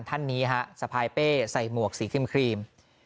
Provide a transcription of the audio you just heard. ท่านนี้ฮะสะพายเป้ใส่หมวกสีครีม